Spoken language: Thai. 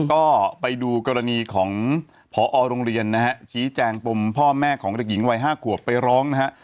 ก็ไปดูกรณีของพอโรงเรียนนะฮะชี้แจงปมพ่อแม่ของเด็กหญิงวัย๕ขวบไปร้องนะฮะ